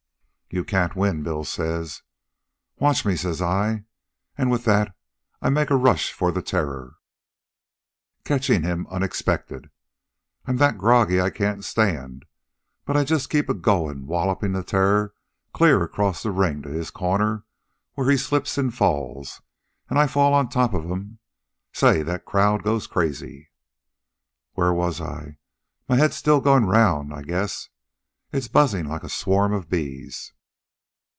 "'You can't win,' Bill says. "'Watch me,' says I. An' with that I make a rush for the Terror, catchin' him unexpected. I'm that groggy I can't stand, but I just keep a goin', wallopin' the Terror clear across the ring to his corner, where he slips an' falls, an' I fall on top of 'm. Say, that crowd goes crazy. "Where was I? My head's still goin' round I guess. It's buzzin' like a swarm of bees."